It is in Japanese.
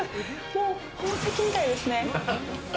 宝石みたいですね。